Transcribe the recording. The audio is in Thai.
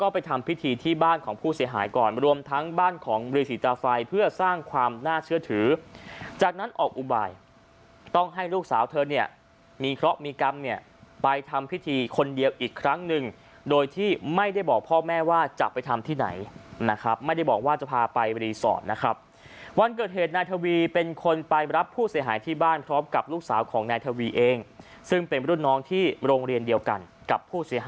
พิธีที่บ้านของผู้เสียหายก่อนรวมทั้งบ้านของบริษฐฟัยเพื่อสร้างความน่าเชื่อถือจากนั้นออกอุบายต้องให้ลูกสาวเธอเนี่ยมีเคราะห์มีกรรมเนี่ยไปทำพิธีคนเดียวอีกครั้งนึงโดยที่ไม่ได้บอกพ่อแม่ว่าจะไปทำที่ไหนนะครับไม่ได้บอกว่าจะพาไปรีสอบนะครับวันเกิดเหตุนายทวีเป็นคนไปรับผู้เสียหายที่บ้านครอบ